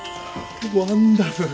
ワンダフル！